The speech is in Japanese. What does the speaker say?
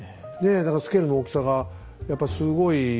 だからスケールの大きさがやっぱりすごい分かりました。